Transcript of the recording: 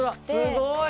すごい！